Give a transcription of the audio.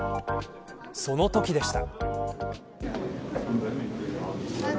そのときでした。